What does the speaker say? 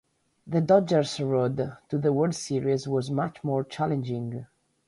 The Dodgers' road to the World Series was much more challenging.